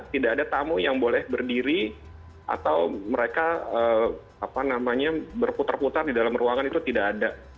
tidak ada tamu yang boleh berdiri atau mereka berputar putar di dalam ruangan itu tidak ada